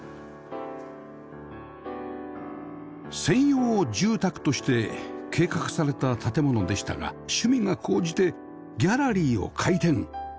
専用住宅として計画された建物でしたが趣味が高じてギャラリーを開店